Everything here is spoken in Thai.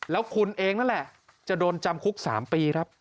แล้วคุณเองนั่นแหละจะโดนจำคุก๓ปีครับ